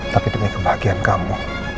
tapi demi kebahagiaan kamu